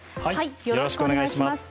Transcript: よろしくお願いします。